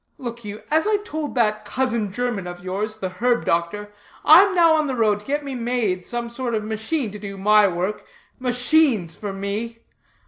Look you, as I told that cousin german of yours, the herb doctor, I'm now on the road to get me made some sort of machine to do my work. Machines for me.